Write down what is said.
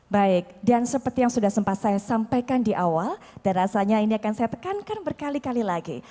baik dan seperti yang sudah sempat saya sampaikan di awal dan rasanya ini akan saya tekankan berkali kali lagi